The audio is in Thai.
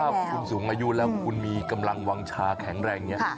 คือถ้าคุณสูงอายุแล้วคุณมีกำลังวางชาแข็งแรงเนี่ย